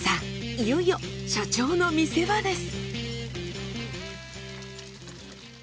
いよいよ社長の見せ場です。